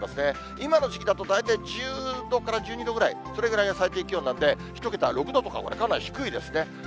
今の時期だと、大体１０度から１２度ぐらい、それぐらいが最低気温なんで、１桁、６度とかはこれ、かなり低いですね。